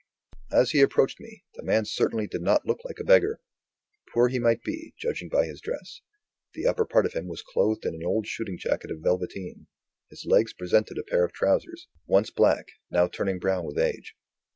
As he approached me, the man certainly did not look like a beggar. Poor he might be, judging by his dress. The upper part of him was clothed in an old shooting jacket of velveteen; his legs presented a pair of trousers, once black, now turning brown with age.